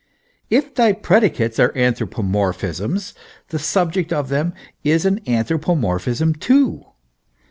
If thy predicates are anthropomorphisms, the subject of of them is an anthropomorphism too.